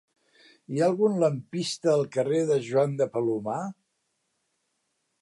Hi ha algun lampista al carrer de Joan de Palomar?